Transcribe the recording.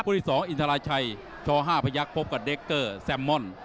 ผู้ที่สองอินทราชัยช่อห้าประยักษ์พบกับเดคเกอร์แซมม่อน